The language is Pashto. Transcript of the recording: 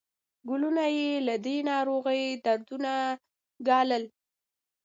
کلونه یې له دې ناروغۍ دردونه ګالل.